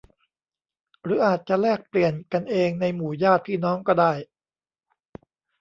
หรืออาจจะแลกเปลี่ยนกันเองในหมู่ญาติพี่น้องก็ได้